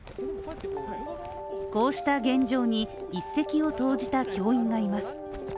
こうした現状に一石を投じた教員がいます。